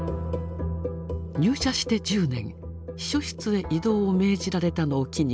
入社して１０年秘書室へ異動を命じられたのを機に松竹を退職。